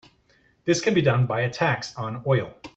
This can be done by a tax on oil.